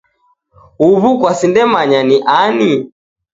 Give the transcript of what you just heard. Huw'u kwasindemanya ni ani?.